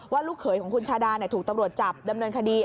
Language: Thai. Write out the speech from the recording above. ลูกเขยของคุณชาดาถูกตำรวจจับดำเนินคดี